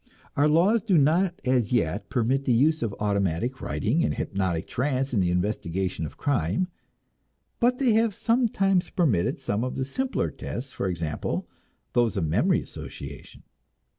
Our laws do not as yet permit the use of automatic writing and the hypnotic trance in the investigation of crime, but they have sometimes permitted some of the simpler tests, for example, those of memory association.